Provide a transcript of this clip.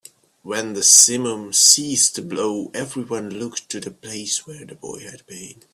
When the simum ceased to blow, everyone looked to the place where the boy had been.